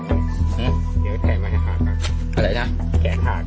ตัวใหญ่เนี้ยอ่ะสบูรณ์มากเลยสบูรณ์มาก